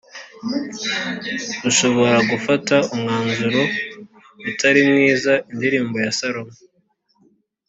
ushobora gufata umwanzuro utari mwiza indirimbo ya salomo